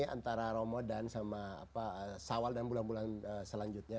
antara ramadan sama sawal dan bulan bulan selanjutnya